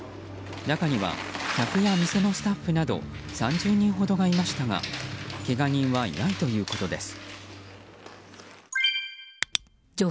中には客や店のスタッフなど３０人ほどがいましたがけが人はいないということです。